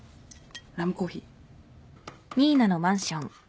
ラムコーヒー。